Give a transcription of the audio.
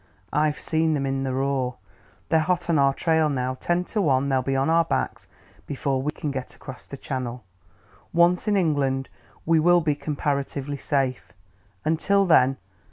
"I've seen them in the raw. They're hot on our trail now; ten to one, they'll be on our backs before we can get across the Channel. Once in England we will be comparatively safe. Until then